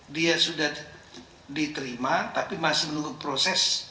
dia sudah diterima tapi masih menunggu proses